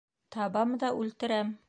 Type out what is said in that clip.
Табам да үлтерәм!